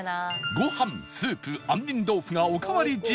ご飯スープ杏仁豆腐がおかわり自由